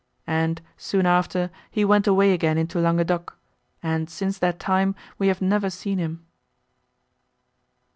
And, soon after, he went away again into Languedoc, and, since that time, we have never seen him."